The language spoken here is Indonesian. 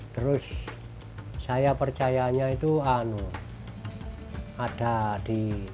terus saya percayanya itu ada di